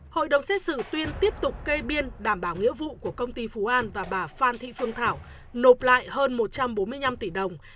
hội đồng xét xử tuyên tiếp tục kê biên đảm bảo nghĩa vụ của công ty phú an và bà phan thị phương thảo nộp lại hơn một trăm bốn mươi năm tỷ đồng